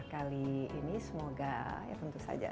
kali ini semoga ya tentu saja